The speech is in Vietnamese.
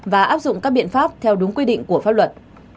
và áp dụng các biện pháp theo đúng quy định của pháp luật